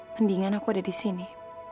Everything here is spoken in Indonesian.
mendingan aku ada disini